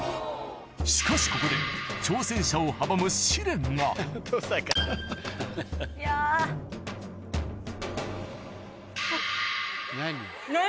しかしここで挑戦者を阻む何？